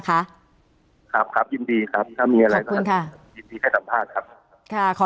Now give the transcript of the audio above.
ครับยินดีครับถ้ามีอะไรสำหรับผมยินดีที่ให้สัมภาษณ์ครับ